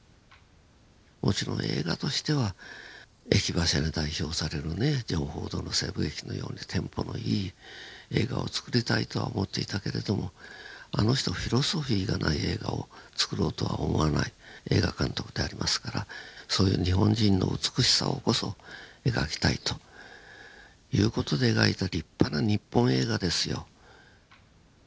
もちろん映画としては「駅馬車」に代表されるねジョン・フォードの西部劇のようにテンポのいい映画をつくりたいとは思っていたけれどもあの人フィロソフィーがない映画をつくろうとは思わない映画監督でありますからそういう日本人の美しさをこそ描きたいという事で描いた立派な日本映画ですよ。